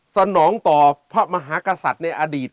สนองต่อพระมหากษัตริย์ในอดีต